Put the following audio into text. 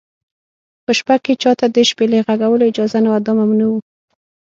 په شپه کې چا ته د شپېلۍ غږولو اجازه نه وه، دا ممنوع و.